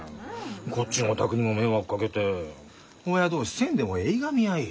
こっちのお宅にも迷惑かけて親同士せんでもええいがみ合いや。